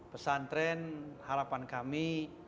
pesantren harapan kami